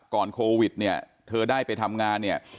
โควิดเนี่ยเธอได้ไปทำงานเนี่ย